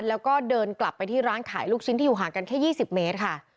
แล้วก็เดินกลับไปที่ร้านขายลูกชิ้นที่อยู่ห่างกันแค่๒๐เมตรค่ะ